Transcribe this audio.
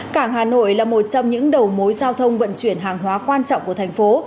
cảng hà nội là một trong những đầu mối giao thông vận chuyển hàng hóa quan trọng của thành phố